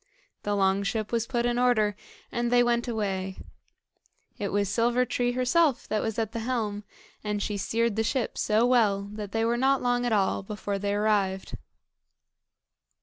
The long ship was put in order and they went away. It was Silver tree herself that was at the helm, and she steered the ship so well that they were not long at all before they arrived.